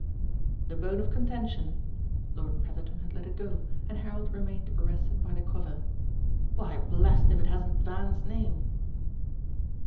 "The bone of contention?" Lord Petherton had let it go and Harold remained arrested by the cover. "Why blest if it hasn't Van's name!"